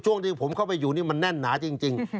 ที่ผมเข้าไปอยู่นี่มันแน่นหนาจริง